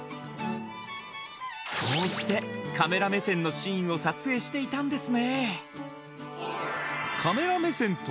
こうしてカメラ目線のシーンを撮影していたんですね！